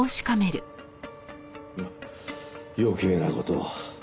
余計な事を。